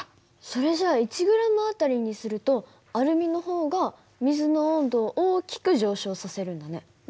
それじゃあ１ｇあたりにするとアルミの方が水の温度を大きく上昇させるんだね。